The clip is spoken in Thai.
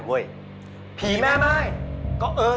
จัดเต็มให้เลย